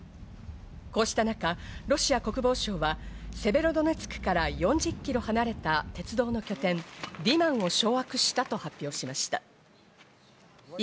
こうしたなかロシア国防省はセベロドネツクから４０キロ離れた鉄道の拠点、リマンを掌握したと発表しました。